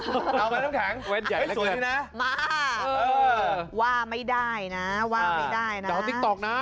เอาไหมน้ำแข็งสวยนะเออว่าไม่ได้นะว่าไม่ได้นะ